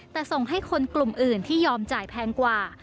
แต่ส่งให้คนกลุ่มอื่นที่ยอมจ่ายแพงกว่า